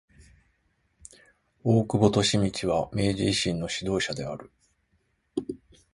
大久保利通は明治維新の指導者である。